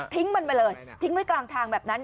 ทิ้งมันไปเลยทิ้งไว้กลางทางแบบนั้น